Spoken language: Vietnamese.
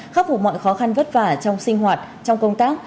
khắc phục mọi khó khăn vất vả trong sinh hoạt trong công tác